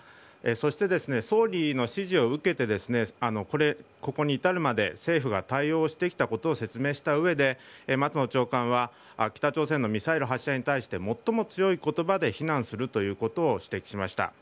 そして、総理の指示を受けてここに至るまで政府が対応してきたことを説明した上で松野長官は北朝鮮のミサイル発射に対して最も強い言葉で非難するということを指摘しました。